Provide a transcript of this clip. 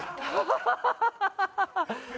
ハハハハハ！